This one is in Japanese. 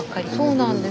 そうなんです。